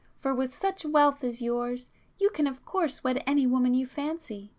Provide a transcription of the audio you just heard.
For with such wealth as yours, you can of course wed any woman you fancy.